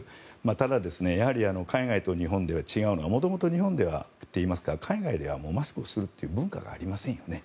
ただ、やはり海外と日本で違うのは元々、日本ではといいますか海外ではマスクをするという文化がありませんよね。